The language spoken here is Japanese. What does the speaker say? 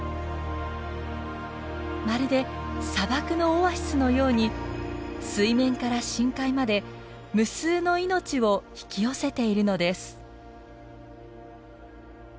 まるで砂漠のオアシスのように水面から深海まで無数の命を引き寄せているのです。